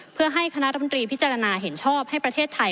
เพื่อให้คณะรัฐมนตรีพิจารณาเห็นชอบให้ประเทศไทย